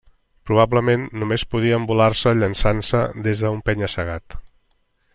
Probablement només podia envolar-se llençant-se des d'un penya-segat.